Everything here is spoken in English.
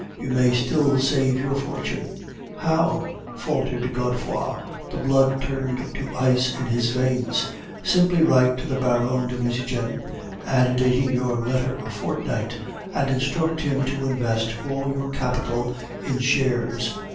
You may still save your fortune.' "'How?' faltered Godefroid; the blood turned to ice in his veins. "'Simply write to the Baron de Nucingen, antedating your letter a fortnight, and instruct him to invest all your capital in shares.